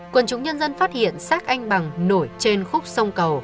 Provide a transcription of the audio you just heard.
quân chủ nhân dân phát hiện sát anh bằng nổi trên khúc sông cầu